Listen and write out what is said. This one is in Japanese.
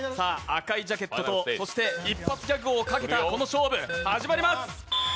赤いジャケットと一発ギャグをかけた勝負が始まります。